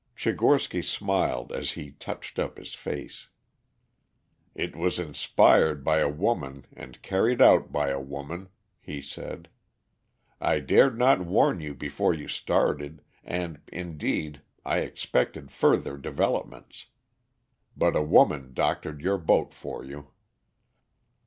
Tchigorsky smiled as he touched up his face. "It was inspired by a woman and carried out by a woman," he said. "I dared not warn you before you started, and indeed I expected further developments. But a woman doctored your boat for you."